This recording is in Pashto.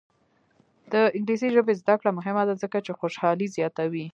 د انګلیسي ژبې زده کړه مهمه ده ځکه چې خوشحالي زیاتوي.